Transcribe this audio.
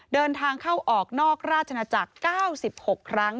เดินทางเข้าออกนอกราชนาจักร๙๖ครั้ง